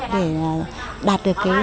để đạt được